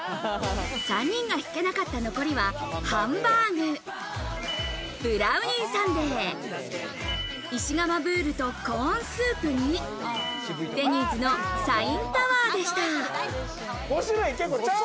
３人が引けなかった残りはハンバーグ、ブラウニーサンデー、石窯ブールとコーンスープに、デニーズのサインタワーでした。